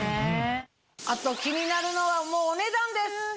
あと気になるのはお値段です！